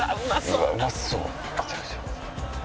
うわうまそう。